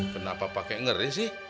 kenapa pakai ngeri sih